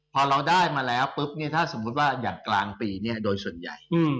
พอเราได้มาแล้วปุ๊บเนี่ยถ้าสมมุติว่าอย่างกลางปีเนี่ยโดยส่วนใหญ่